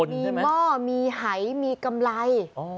มีหม้อมีหายมีกำไร